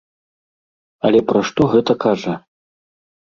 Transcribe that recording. Але пра што гэта кажа?